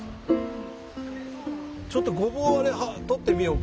ちょっとごぼうをとってみようか。